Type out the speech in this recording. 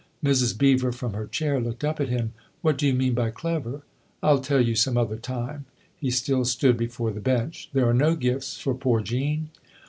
Mrs. Beever, from her chair, looked up at him. " What do you mean by ' clever '?" "I'll tell you some other time." He still stood before the bench. " There are no gifts for poor Jean